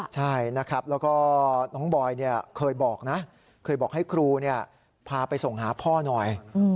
ใช่แล้วก็น้องบอยเคยบอกให้ครูพาไปส่งหาพ่อหน่อย